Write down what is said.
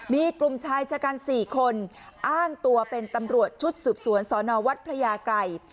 มีกลุ่มชายชะกัน๔คนอ้างตัวเป็นตำรวจชุดสืบสวนสนวัดพระยากรัย